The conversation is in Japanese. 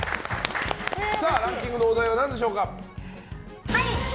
ランキングのお題は何でしょうか。